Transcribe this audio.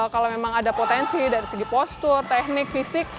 kalau memang ada potensi dari segi postur teknik fisik